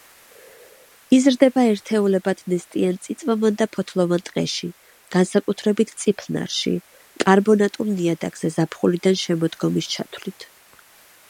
იზრდება ერთეულებად ნესტიან წიწვოვან და ფოთლოვან ტყეში, განსაკუთრებით წიფლნარში კარბონატულ ნიადაგზე ზაფხულიდან შემოდგომის ჩათვლით.